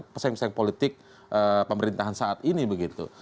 pesaing pesaing politik pemerintahan saat ini begitu